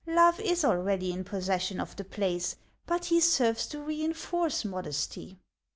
Love is already in possession of the place, but he serves to reinforce Modesty."